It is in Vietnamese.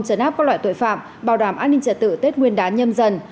chấn áp các loại tội phạm bảo đảm an ninh trật tự tết nguyên đán nhâm dần